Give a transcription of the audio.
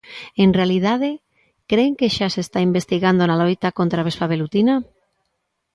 En realidade, ¿cren que xa se está investigando na loita contra a vespa velutina?